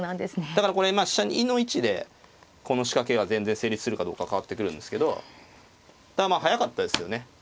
だからこれ飛車の位置でこの仕掛けが全然成立するかどうか変わってくるんですけどだからまあ速かったですよね。